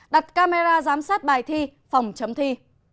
đặt camera giám sát bài thi phòng chấm thi